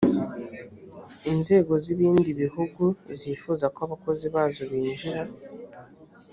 inzego z ibindi bihugu zifuza ko abakozi bazo binjira